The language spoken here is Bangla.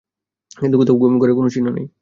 কিন্তু কোথাও কোন ঘরের চিহ্ন নেই।